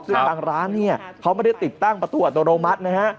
ซึ่งทางร้านมันไม่ได้ติดตั้งประตูอัตโนมัตินะครับ